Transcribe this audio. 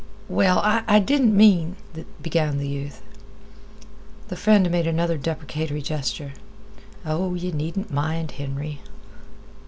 "Well, I didn't mean—" began the youth. The friend made another deprecatory gesture. "Oh, yeh needn't mind, Henry."